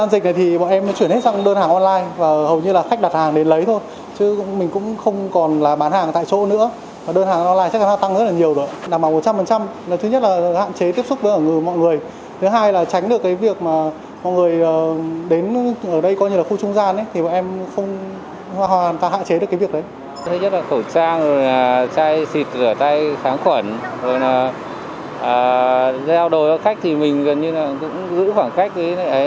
xịt rửa tay kháng khuẩn rồi là giao đồ cho khách thì mình gần như là cũng giữ khoảng khách